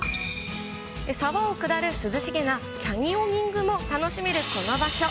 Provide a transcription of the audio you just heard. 沢を下る涼しげなキャニオニングも楽しめるこの場所。